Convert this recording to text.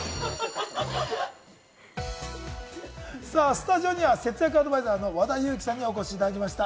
スタジオには節約アドバイザーの和田由貴さんにお越しいただきました。